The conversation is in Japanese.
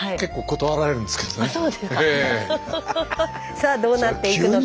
さあどうなっていくのか。